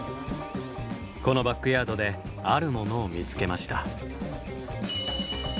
このバックヤードであるものを見つけました。